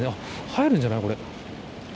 入るんじゃない、これ。